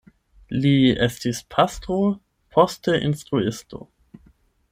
Li estis pastro, poste instruisto.